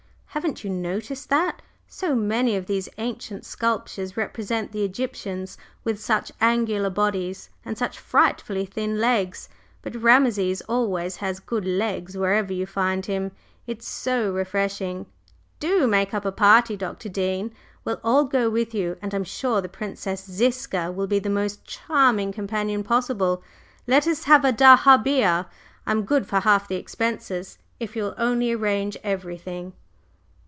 Haven't you noticed that? So many of these ancient sculptures represent the Egyptians with such angular bodies and such frightfully thin legs, but Rameses always has good legs wherever you find him. It's so refreshing! Do make up a party, Dr. Dean! we'll all go with you; and I'm sure the Princess Ziska will be the most charming companion possible. Let us have a dahabeah! I'm good for half the expenses, if you will only arrange everything."